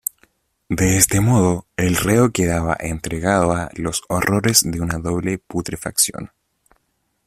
De este modo, el reo quedaba entregado a los horrores de una doble putrefacción.